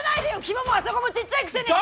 肝もあそこもちっちゃいくせに！